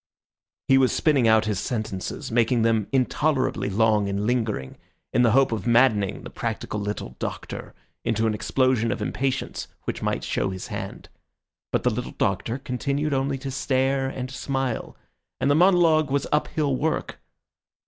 He was spinning out his sentences, making them intolerably long and lingering, in the hope of maddening the practical little Doctor into an explosion of impatience which might show his hand. But the little Doctor continued only to stare and smile, and the monologue was uphill work.